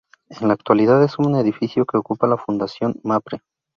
En la actualidad es un edificio que ocupa la Fundación Mapfre.